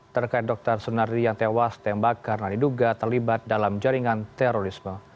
terkait dr sunardi yang tewas tembak karena diduga terlibat dalam jaringan terorisme